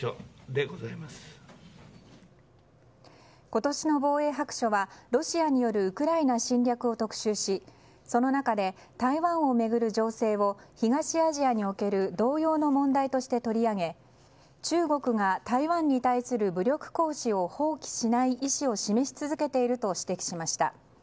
今年の「防衛白書」はロシアによるウクライナ侵略を特集しその中で、台湾を巡る情勢を東アジアにおける同様の問題として取り上げ中国が台湾に対する武力行使を放棄しない意思を示し続けていると指摘しました。